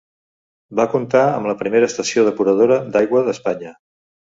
Va comptar amb la primera estació depuradora d'aigua d'Espanya.